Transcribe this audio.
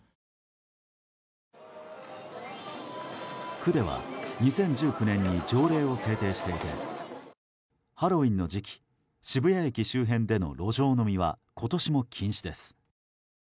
区では２０１９年に条例を制定してハロウィーンの時期渋谷駅周辺での路上飲みは今年も禁止です。